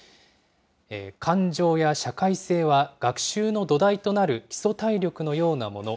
感情や社会性は学習の土台となる基礎体力のようなもの。